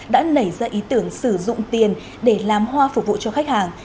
đã nảy ra ý tưởng sử dụng tiền để làm hoa phục vụ cho khách hàng